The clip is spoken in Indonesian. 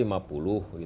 sebasar logi hari ini